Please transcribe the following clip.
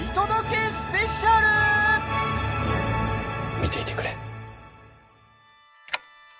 見ていてくれ！